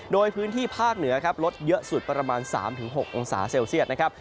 โดยพื้นที่ภาคเหนือครับลดเยอะสุดประมาณ๓๖องศาเซลเซียตนะครับ